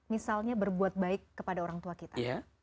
misalnya berbuat baik kepada orang tua kita